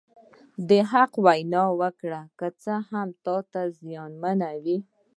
د حق وینا وکړه که څه هم تا زیانمنوي.